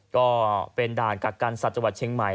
ก็เป็นด่านกักกันสัตว์จังหวัดเชียงใหม่